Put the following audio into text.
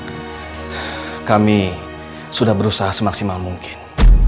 karena kami sudah berusaha semaksimal mungkin